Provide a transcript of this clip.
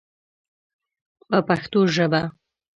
په پښتو ژبه.